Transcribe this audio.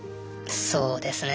そうですね。